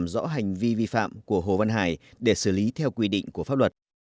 dõi hành vi vi phạm của hồ văn hải để xử lý theo quy định của pháp luật